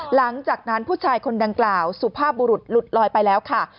หลังจากนั้นผู้ชายคนดังกล่าวสุภาพบุรุษหลุดลอยไปแล้วค่ะ